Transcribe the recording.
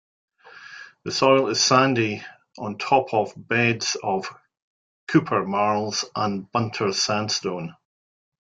The soil is sandy on top of beds of Keuper Marls and Bunter Sandstone.